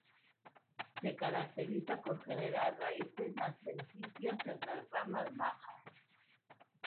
Se caracteriza por generar raíces adventicias en las ramas bajas.